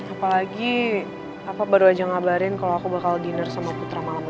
apalagi papa baru aja ngabarin kalau aku bakal diner sama putra malam ini